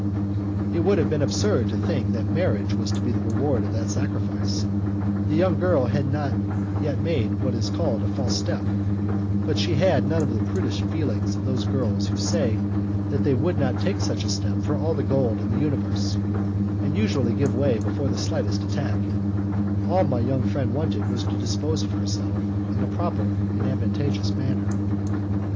It would have been absurd to think that marriage was to be the reward of that sacrifice; the young girl had not yet made what is called a false step, but she had none of the prudish feelings of those girls who say that they would not take such a step for all the gold in the universe, and usually give way before the slightest attack; all my young friend wanted was to dispose of herself in a proper and advantageous manner.